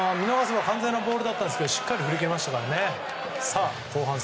見逃せば完全にボールだったんですがしっかり振り切りましたからね。